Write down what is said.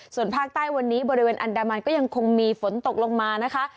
ส่วนภาคใต้วันนี้บริเวณอันดามันก็ยังคงมีฝนตกลงมานะคะ